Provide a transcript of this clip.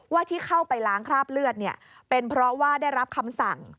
ที่เข้าไปล้างคราบเลือดเป็นเพราะว่าได้รับคำสั่ง